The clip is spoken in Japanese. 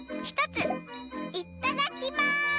ひとついっただきます！